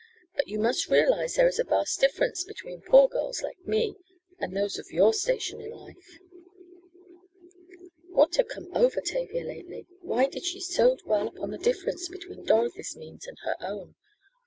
But you must realize there is a vast difference between poor girls like me, and those of your station in life!" What had come over Tavia lately? Why did she so dwell upon the difference between Dorothy's means and her own?